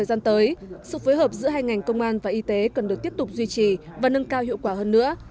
gian tới sự phối hợp giữa hai ngành công an và y tế cần được tiếp tục duy trì và nâng cao hiệu quả hơn nữa